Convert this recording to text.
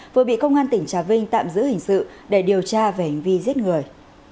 vừa bị công an tỉnh trà vinh tạm giữ hình sự để điều tra về hành vi giết người